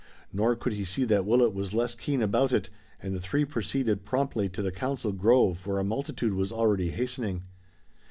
Nor could he see that Willet was less keen about it and the three proceeded promptly to the council grove where a multitude was already hastening.